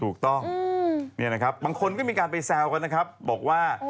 ถูกต้องบางคนก็มีการไปแซวก่อนนะครับบอกว่า